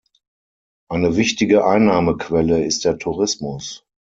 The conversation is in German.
Eine wichtige Einnahmequelle ist der Tourismus.